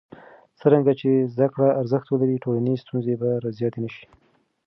څرنګه چې زده کړه ارزښت ولري، ټولنیزې ستونزې به زیاتې نه شي.